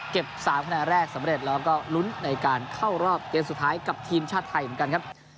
๓คะแนนแรกสำเร็จแล้วก็ลุ้นในการเข้ารอบเกมสุดท้ายกับทีมชาติไทยเหมือนกันครับ